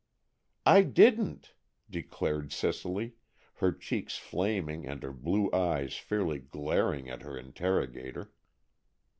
"I didn't!" declared Cicely, her cheeks flaming and her blue eyes fairly glaring at her interrogator.